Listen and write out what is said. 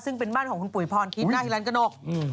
ซึ่งเป็นบ้านของคุณปุ๋ยพรทิพย์หน้าฮิลานกระหนก